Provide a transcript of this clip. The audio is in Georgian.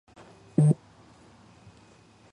ფილმში სულ შეტანილია ცხრა სიმღერა.